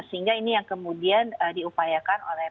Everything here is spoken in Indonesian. sehingga ini yang kemudian diupayakan oleh